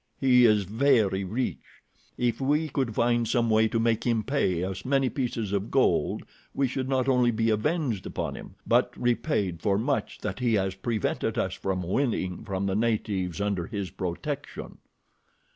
He is very rich. If we could find some way to make him pay us many pieces of gold we should not only be avenged upon him; but repaid for much that he has prevented us from winning from the natives under his protection."